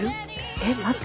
えっ待って？